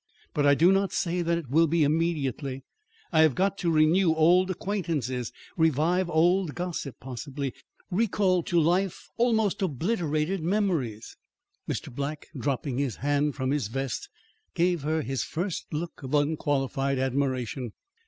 But I do not say that it will be immediately. I have got to renew old acquaintances; revive old gossip; possibly, recall to life almost obliterated memories." Mr. Black, dropping his hand from his vest, gave her his first look of unqualified admiration.